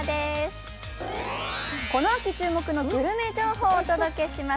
この秋注目のグルメ情報をお届けします。